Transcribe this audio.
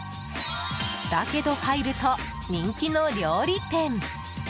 だけど入ると人気の料理店。